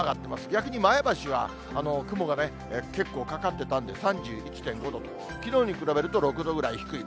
逆に前橋は、雲がね、結構かかってたんで、３１．５度と、きのうに比べると６度ぐらい低い。